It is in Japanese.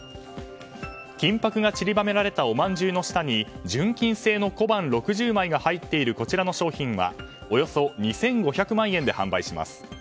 金箔が散りばめられたおまんじゅうの下に純金製の小判６０枚が入っているこちらの商品はおよそ２５００万円で販売します。